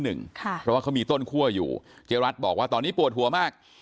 เพราะว่าเขามีต้นคั่วอยู่เจ๊รัฐบอกว่าตอนนี้ปวดหัวมาก